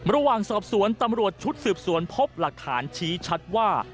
ระหว่างสอบสวนตำรวจชุดสืบสวนพบหลักฐานชี้ชัดว่า